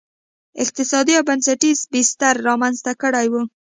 اقتصادي او بنسټي بستر رامنځته کړی و.